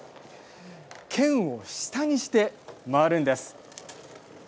剣を下にして回るんです。